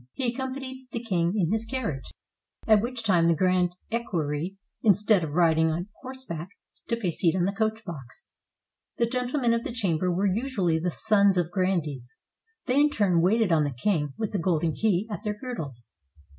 He accompanied the king in his carriage; at which time the grand equerry, instead of riding on horse back, took a seat on the coach box. The gentlemen of the chamber were usually the sons of grandees. They in turn waited on the king with the golden key at their girdles.